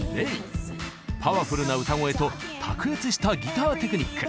パワフルな歌声と卓越したギターテクニック。